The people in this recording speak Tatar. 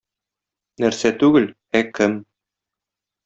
Нәрсә түгел, ә кем.